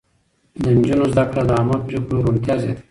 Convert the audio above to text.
د نجونو زده کړه د عامه پرېکړو روڼتيا زياتوي.